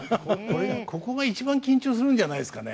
ここが一番緊張するんじゃないですかね。